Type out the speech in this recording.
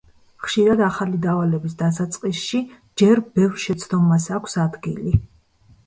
ხშირად, ახალი დავალების დასაწყისში ჯერ ბევრ შეცდომას აქვს ადგილი.